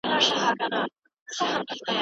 دا څېړنه په رښتیا هم یوه لویه بریا ثابته سوه.